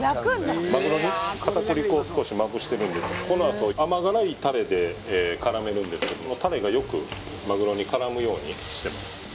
まぐろに片栗粉を少しまぶしてるのでこのあと甘辛いタレで絡めるんですけどもそのタレがよくまぐろに絡むようにしてます